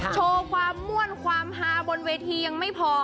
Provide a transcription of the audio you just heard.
โชว์ความม่วนความฮาบนเวทียังไม่พอ